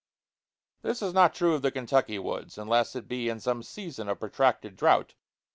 This is not true of the Kentucky woods, unless it be in some season of protracted drought.